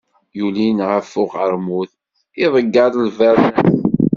Yulin ɣef uqermud, iḍegger ibernas.